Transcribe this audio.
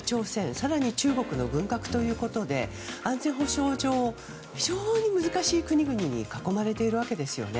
更に中国の軍拡ということで安全保障上非常に難しい国々に囲まれているわけですよね。